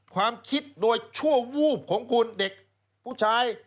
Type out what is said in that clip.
ความคิดโดยชั่ววูบของคุณเด็กผู้ชาย